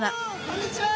こんにちは。